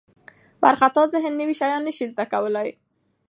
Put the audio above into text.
وارخطا ذهن نوي شیان نه شي زده کولی.